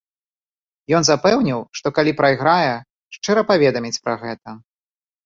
Ён запэўніў, што калі прайграе, шчыра паведаміць пра гэта.